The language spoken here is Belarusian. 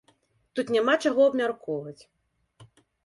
Тут няма чаго абмяркоўваць.